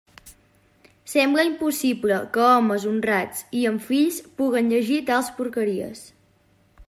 Sembla impossible que homes honrats i amb fills puguen llegir tals porqueries.